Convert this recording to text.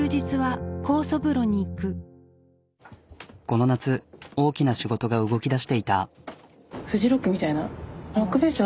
この夏大きな仕事が動きだしていた。